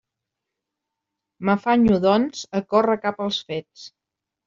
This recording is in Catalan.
M'afanyo, doncs, a córrer cap als fets.